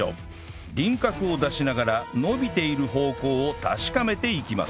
輪郭を出しながら伸びている方向を確かめていきます